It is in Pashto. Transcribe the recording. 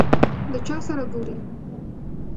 له چا سره ګورې ؟